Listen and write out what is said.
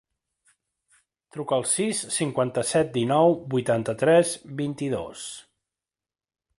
Truca al sis, cinquanta-set, dinou, vuitanta-tres, vint-i-dos.